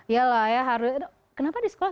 yalah ya harus kenapa di sekolah